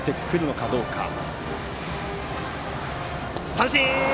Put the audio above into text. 三振！